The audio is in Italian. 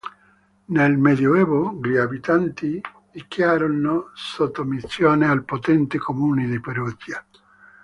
Nel Medioevo gli abitanti dichiararono sottomissione al potente Comune di Perugia.